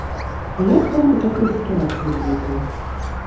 А як вам у такой сітуацыі будзе?